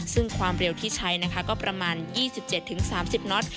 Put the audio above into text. ซึ่งความเร็วที่ใช้นะคะก็ประมาณ๒๗๓๐น็อต